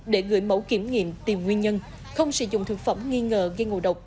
để gửi mẫu kiểm nghiệm tìm nguyên nhân không sử dụng thực phẩm nghi ngờ gây ngộ độc